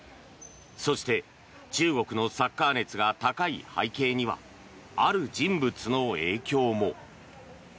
そして中国のサッカー熱が高い背景にはある人物の影響も。